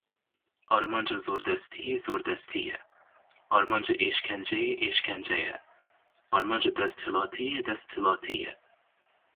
Armanca zordestiyê zordestî ye, armanca êşkenceyê êşkence ye, armanca desthilatiyê desthilatî ye.